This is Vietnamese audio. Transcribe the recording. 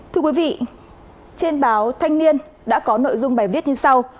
thưa quý vị trên báo thanh niên đã có nội dung bài viết như sau